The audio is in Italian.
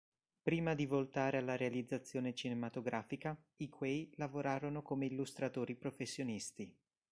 Prima di voltare alla realizzazione cinematografica, i Quay lavorarono come illustratori professionisti.